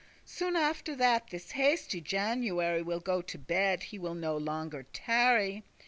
Soon after that this hasty* January *eager Will go to bed, he will no longer tarry.